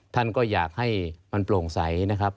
ท่านก็อยากให้มันโปร่งใสนะครับ